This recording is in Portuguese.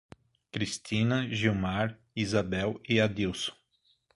Cristina, Gilmar, Izabel e Adílson